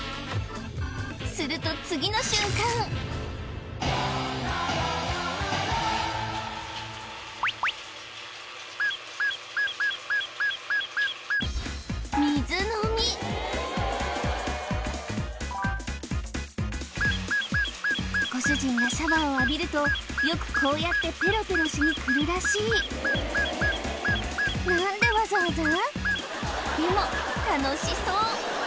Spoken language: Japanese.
するとご主人がシャワーを浴びるとよくこうやってペロペロしにくるらしいでも楽しそう！